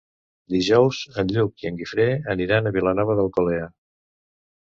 Dijous en Lluc i en Guifré aniran a Vilanova d'Alcolea.